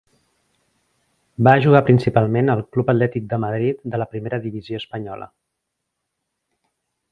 Va jugar principalment al Club Atlètic de Madrid de la Primera Divisió espanyola.